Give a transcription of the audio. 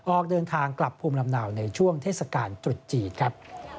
ออกเดินทางกลับภูมิลำเนาในช่วงเทศกาลตรุษจีนครับ